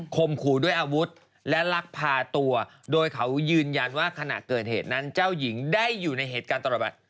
ขู่ด้วยอาวุธและลักพาตัวโดยเขายืนยันว่าขณะเกิดเหตุนั้นเจ้าหญิงได้อยู่ในเหตุการณ์ตลอด